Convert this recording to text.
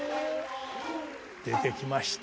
出てきました。